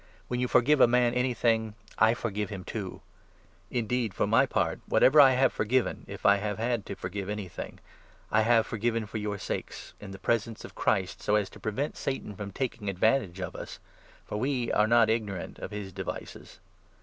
When you forgive a man anything, I forgive 10 him, too. Indeed, for my part, whatever I have forgiven (if I have had to forgive anything), I have forgiven for your sakes, in the presence of Christ, so as to prevent Satan from taking 1 1 advantage of us ; for we are not ignorant of his devices.